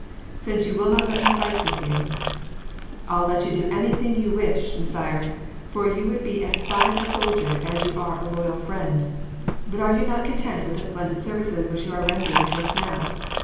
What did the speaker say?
"Since you will not let me fight with you..." "I’ll let you do anything you wish, Messire, for you would be as fine a soldier as you are a loyal friend. But are you not content with the splendid services which you are rendering to us now?